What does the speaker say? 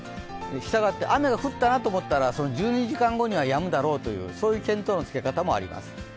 したがって雨が降ったなと思ったら、１２時間後にはやむだろうとそういう見当のつけ方もあります。